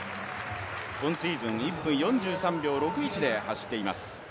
今シーズン１分４３秒６１で走っています。